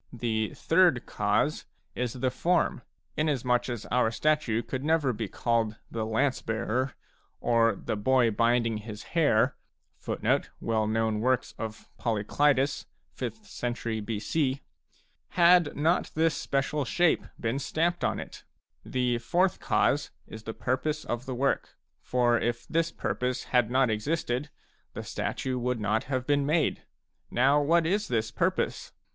The " third cause " is the form, inasmuch as our statue could never be called The Lance Bearer or The Boy Binding his Hair/ had not this special shape been stamped upon it. The " fourth cause " is the purpose of the work. For if this purpose had not existed, the statue would not have been made. Now what is this purpose